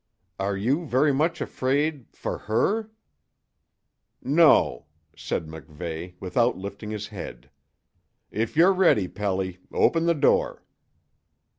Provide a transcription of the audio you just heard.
"Are you very much afraid for her?" "No," said MacVeigh, without lifting his head. "If you're ready, Pelly, open the door."